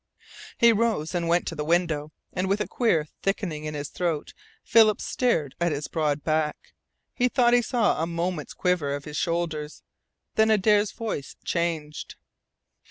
He rose and went to the window, and with a queer thickening in his throat Philip stared at his broad back. He thought he saw a moment's quiver of his shoulders. Then Adare's voice changed.